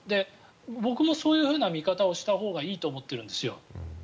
僕もそういう見方をしたほうがいいと思っているんですよ。